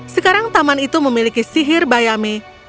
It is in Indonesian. sekarang taman itu memiliki sihir bayame